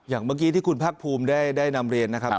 อย่างเมื่อกี้ที่คุณภาคภูมิได้นำเรียนนะครับ